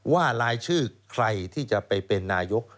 รายชื่อใครที่จะไปเป็นนายก